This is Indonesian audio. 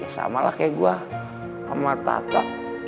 ya samalah kayak gue sama tata